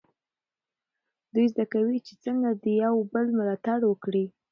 دوی زده کوي چې څنګه د یو بل ملاتړ وکړي.